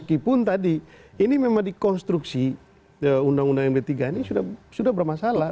tapi tadi ini memang dikonstruksi undang undang yang d tiga ini sudah bermasalah